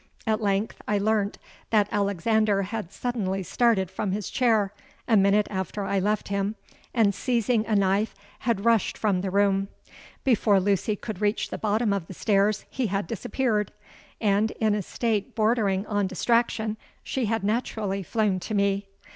At length I learnt that Alexander had suddenly started from his chair, a minute after I left him, and seizing a knife, had rushed from the room. Before Lucy could reach the bottom of the stairs, he had disappeared; and, in a state bordering on distraction, she had naturally flown to me.